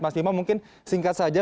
mas bima mungkin singkat saja